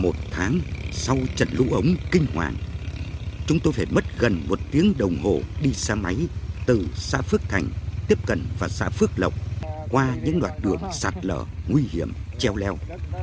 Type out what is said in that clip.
một tháng sau trận lũ ống kinh hoàng chúng tôi phải mất gần một tiếng đồng hồ đi xe máy từ xã phước thành tiếp cận vào xã phước lộc qua những đoạn đường sạt lở nguy hiểm treo leo